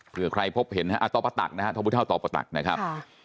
เพื่อใครพบเห็นอ่าต่อประตักนะครับทพต่อประตักนะครับ